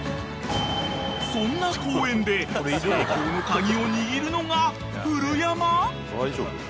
［そんな講演で成功の鍵を握るのが古山！？］